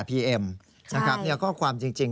ใช่ครับเนี่ยข้อความจริง